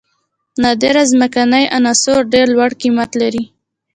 نادره ځمکنۍ عناصر ډیر لوړ قیمت لري.